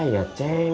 are yuh kacang